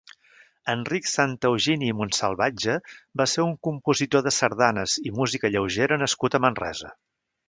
Enric Santeugini i Montsalvatge va ser un compositor de sardanes i música lleugera nascut a Manresa.